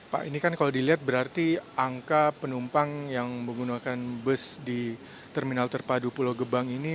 pak ini kan kalau dilihat berarti angka penumpang yang menggunakan bus di terminal terpadu pulau gebang ini